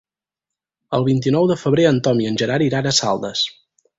El vint-i-nou de febrer en Tom i en Gerard iran a Saldes.